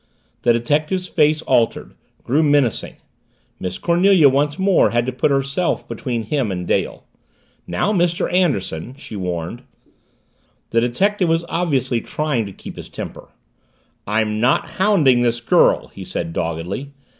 The detective's face altered, grew menacing. Miss Cornelia once more had put herself between him and Dale. "Now, Mr. Anderson " she warned. The detective was obviously trying to keep his temper. "I'm not hounding this girl!" he said doggedly.